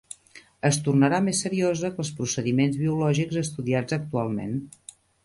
Es tornarà més seriosa que els procediments biològics estudiats actualment.